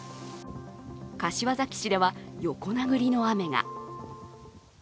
柏崎市では横殴りの雨が。